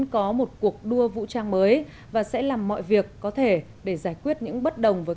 có một cuộc đua vũ trang mới và sẽ làm mọi việc có thể để giải quyết những bất đồng với